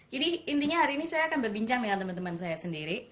jadi intinya hari ini saya akan berbincang dengan teman teman saya sendiri